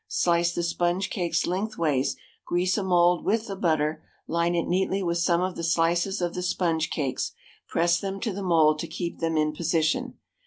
Slice the sponge cakes lengthways, grease a mould with the butter; line it neatly with some of the slices of the sponge cakes; press them to the mould to keep them in position.